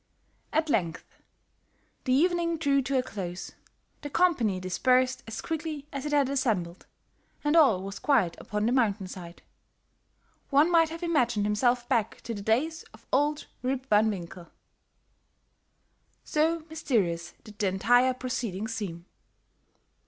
At length the evening drew to a close; the company dispersed as quickly as it had assembled, and all was quiet upon the mountainside. One might have imagined himself back to the days of Old Rip Van Winkle, so mysterious did the entire proceeding seem.